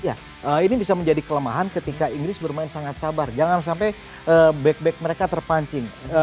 ya ini bisa menjadi kelemahan ketika inggris bermain sangat sabar jangan sampai back back mereka terpancing